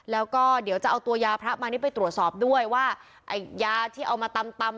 แล้วก็เดี๋ยวจะเอาตัวยาพระมานิดไปตรวจสอบด้วยว่าไอ้ยาที่เอามาตำตำ